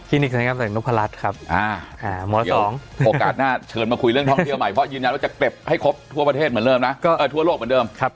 กรินิคทางบรรยากาศตานีนกภรรรัฐครับ